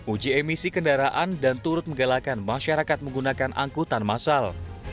uji emisi kendaraan dan turut menggalakkan masyarakat menggunakan angkutan masal